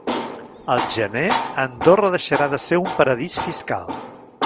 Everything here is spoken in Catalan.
Al gener Andorra deixarà de ser un paradís fiscal